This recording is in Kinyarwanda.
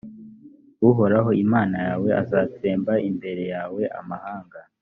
uhoraho imana yawe azatsembera imbere yawe amahanga